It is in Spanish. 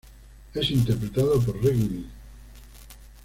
Es interpretado por Reggie Lee.